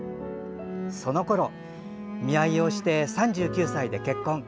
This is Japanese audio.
そのころ、見合いをして３９歳で結婚。